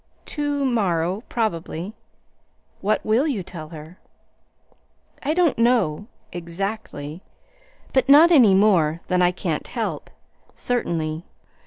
"To morrow, probably." "What will you tell her?" "I don't know exactly; but not any more than I can't help, certainly.